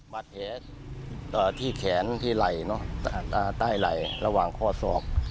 มัดเหตุที่แขนที่ไหล่ใต้ไหล่ระหว่างข้อสอบ